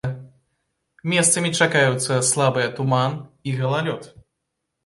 Месцамі чакаюцца слабыя туман і галалёд.